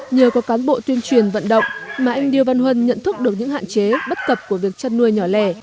nhờ có cán bộ tuyên truyền vận động mà anh điêu văn huân nhận thức được những hạn chế bất cập của việc chăn nuôi nhỏ lẻ